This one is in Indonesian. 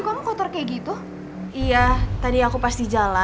gua mau jadi siapa